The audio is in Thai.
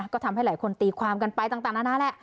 ก็ทำให้หลายคนตีความกันไปต่างนานาแหละ